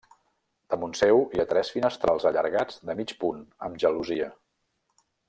Damunt seu hi ha tres finestrals allargats de mig punt amb gelosia.